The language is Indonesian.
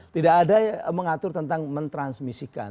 tidak ada yang mengatur tentang mentransmisikan